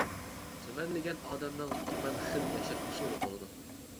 تۈمەنلىگەن ئادەمنىڭ تۈمەن خىل ياشاش ئۇسۇلى بولىدۇ.